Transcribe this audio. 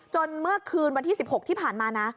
เมื่อคืนวันที่๑๖ที่ผ่านมานะ